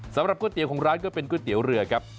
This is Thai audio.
ก๋วยเตี๋ยวของร้านก็เป็นก๋วยเตี๋ยวเรือครับ